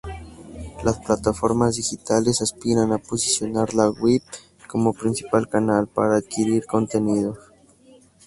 Las plataformas digitales aspiran a posicionar la web como principal canal para adquirir contenidos.